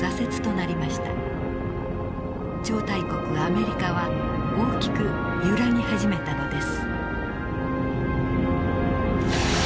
超大国アメリカは大きく揺らぎ始めたのです。